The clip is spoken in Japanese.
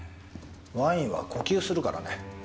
ワインは呼吸するからね。